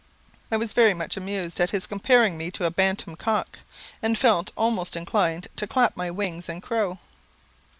I was very much amused at his comparing me to a bantam cock, and felt almost inclined to clap my wings and crow.